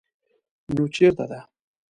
_نو چېرته ده؟